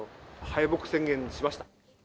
敗北宣言しました。